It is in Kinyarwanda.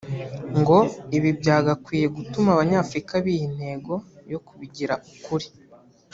ngo ibi byagakwiye gutuma Abanyafurika biha intego yo kubigira ukuri